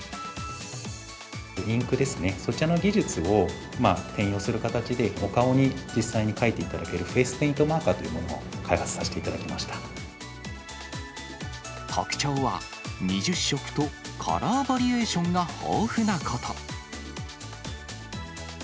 インクですね、そちらの技術を転用する形で、お顔に実際に書いていただけるフェイスペイントマーカーというも特徴は、２０色とカラーバリエーションが豊富なこと。